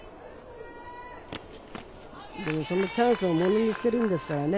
そのチャンスをものにしているんですからね。